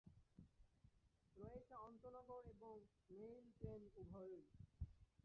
রয়েছে আন্তঃনগর এবং মেইল ট্রেন উভয়ই।